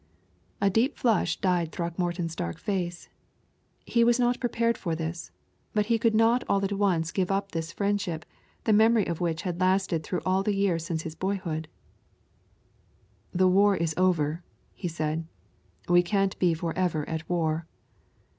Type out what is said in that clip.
A deep flush dyed Throckmorton's dark face. He was not prepared for this, but he could not all at once give up this friendship, the memory of which had lasted through all the years since his boyhood. "The war is over," he said; "we can't be forever at war."